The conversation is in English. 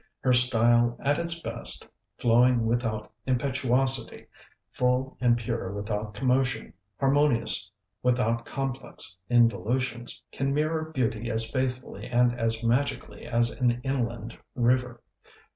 Her style at its best, flowing without impetuosity, full and pure without commotion, harmonious without complex involutions, can mirror beauty as faithfully and as magically as an inland river.